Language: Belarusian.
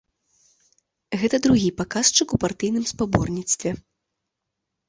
Гэта другі паказчык у партыйным спаборніцтве.